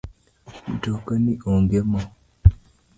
Mtoka ni onge moo